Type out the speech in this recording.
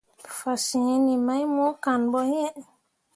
Fasǝǝni mai mo kan ɓo iŋ.